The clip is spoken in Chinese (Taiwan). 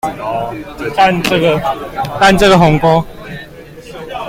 但這個鴻溝